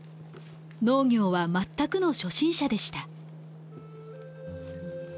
農業は全くの初心者でした。